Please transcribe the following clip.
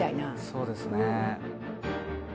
そうですね。